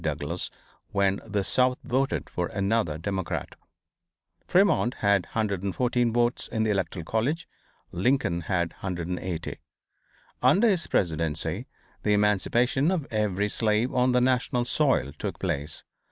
Douglas, when the South voted for another Democrat. Fremont had 114 votes in the Electoral College. Lincoln had 180. Under his presidency the emancipation of every slave on the national soil took place.